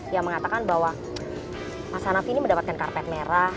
yang mengatakan bahwa mas hanafi ini mendapatkan karpet merah